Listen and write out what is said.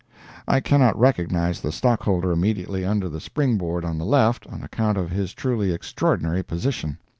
I cannot recognize the stockholder immediately under the spring board on the left, on account of his truly extraordinary position.